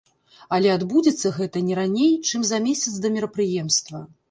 Але адбудзецца гэта не раней, чым за месяц да мерапрыемства.